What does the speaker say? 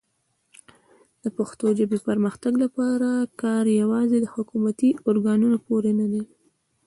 د پښتو ژبې پرمختګ لپاره کار یوازې د حکومتي ارګانونو پورې نه دی.